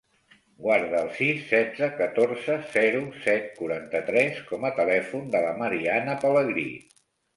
Guarda el sis, setze, catorze, zero, set, quaranta-tres com a telèfon de la Mariana Pelegri.